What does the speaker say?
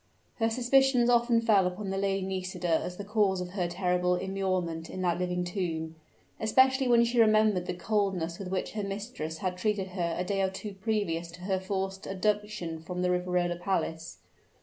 Her suspicions often fell upon the Lady Nisida as the cause of her terrible immurement in that living tomb especially when she remembered the coldness with which her mistress had treated her a day or two previous to her forced abduction from the Riverola Palace.